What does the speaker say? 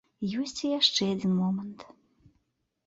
Ёсць і яшчэ адзін момант.